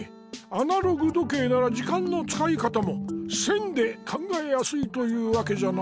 アナログ時計なら時間のつかいかたも線で考えやすいというわけじゃな。